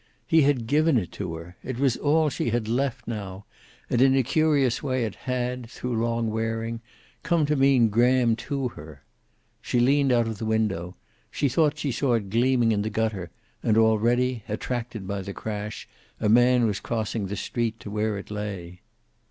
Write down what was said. He had given it to her. It was all she had left now, and in a curious way it had, through long wearing, come to mean Graham to her. She leaned out of the window. She thought she saw it gleaming in the gutter, and already, attracted by the crash, a man was crossing the street to where it lay.